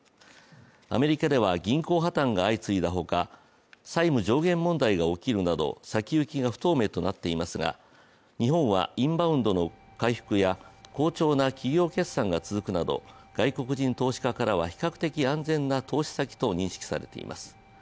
アメリカでは銀行破綻が相次いだほか、債務上限問題が起きるなど先行きが不透明となっていますが、日本はインバウンドの回復や好調の企業決算が続くなど外国人投資家からは比較的安全な投資先と認識されています。